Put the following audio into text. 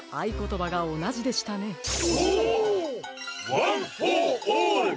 ワンフォーオール！